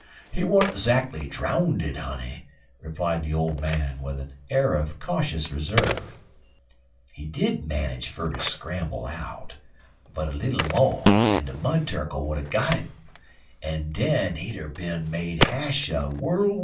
"He weren't zackly drowndid, honey," replied the old man, With an air of cautious reserve. "He did manage fer ter scramble out, but a little mo' en de Mud Turkle would er got 'im, en den he'd er bin made hash un worl' widout een'."